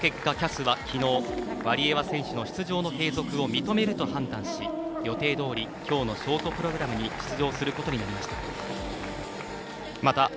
その結果、ＣＡＳはきのうワリエワ選手の出場の継続を認めるとし、予定どおりきょうのショートプログラムに出場することになりました。